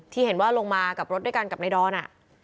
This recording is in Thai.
ที่เห็นว่าลงมากับรถด้วยกันกับนายดอน